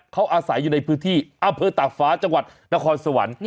เขาอาศัยอยู่ในพื้นที่อำเภอตากฟ้าจังหวัดนครสวรรค์